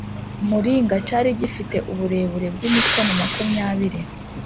muringa Cyari gifite uburebure bw imikono makumyabiri